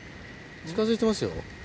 近づいてますよ。